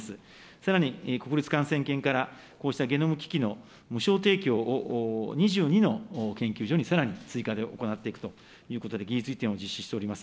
さらに国立感染研からこうしたゲノム機器の無償提供を、２２の研究所にさらに追加で行っていくということで、技術移転を実施しております。